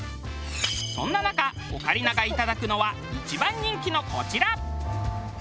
そんな中オカリナがいただくのは一番人気のこちら。